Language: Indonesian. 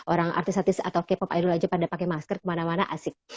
orang artis artis atau k pop idol aja pada pakai masker kemana mana asik